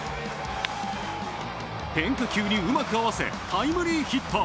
変化球にうまく合わせタイムリーヒット。